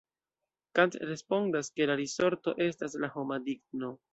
Kant respondas ke la risorto estas la homa digno.